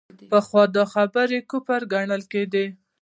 پخوا دا خبرې کفر ګڼل کېدې.